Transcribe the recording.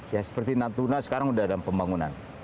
ya seperti natuna sekarang sudah dalam pembangunan